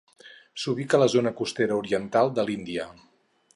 S'ubica a la zona costera oriental de l'Índia.